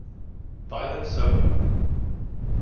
Violent Soho